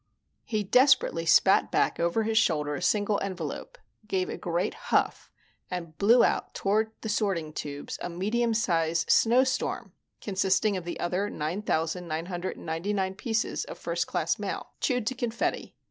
He desperately spat back over his shoulder a single envelope, gave a great huff and blew out toward the sorting tubes a medium size snowstorm consisting of the other nine thousand, nine hundred and ninety nine pieces of first class mail chewed to confetti.